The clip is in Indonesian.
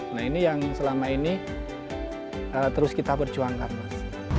nah ini yang selama ini terus kita perjuangkan mas